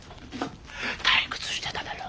退屈してただろ？